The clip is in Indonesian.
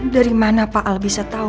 dari mana pak al bisa tahu